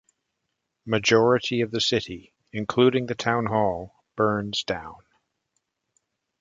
Majority of the city, including the town hall, burns down.